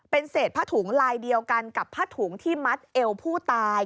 เป็นเศษผ้าถุงลายเดียวกันกับผ้าถุงที่มัดเอวผู้ตาย